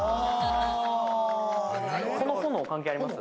この炎は関係あります？